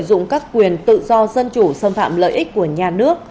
sử dụng các quyền tự do dân chủ xâm phạm lợi ích của nhà nước